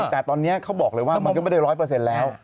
แต่ตอนนี้เขาบอกเลยว่ามันก็ไม่ได้ร้อยเปอร์เซ็นต์แล้ว